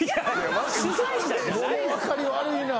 物分かり悪いな。